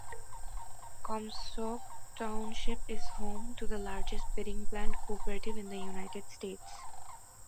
Comstock Township is home to the largest bedding plant cooperative in the United States.